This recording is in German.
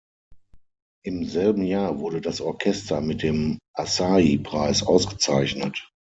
Im selben Jahr wurde das Orchester mit dem Asahi-Preis ausgezeichnet.